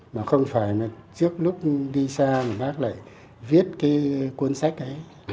mà không phải trước lúc đi xa mà bác lại viết cái cuốn sách ấy